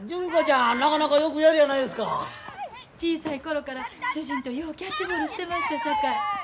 小さい頃から主人とようキャッチボールしてましたさかい。